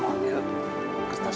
bapak mau cari apa pak